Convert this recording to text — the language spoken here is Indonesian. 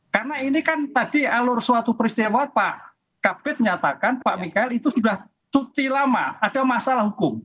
karena ini kan tadi alur suatu peristiwa pak kapit menyatakan pak mikael itu sudah tuti lama ada masalah hukum